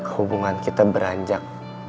hubungan kita beranjak